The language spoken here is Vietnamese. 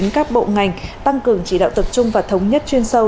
các bộ ngành tăng cường chỉ đạo tập trung và thống nhất chuyên sâu